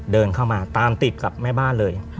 เดินเข้ามาตามติดกับแม่บ้านเลย